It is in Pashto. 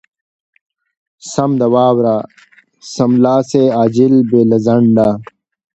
سم د واره= سملاسې، عاجل، بې له ځنډه.